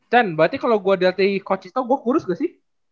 ten berarti kalau gue dilti coach itu gue kurus gak sih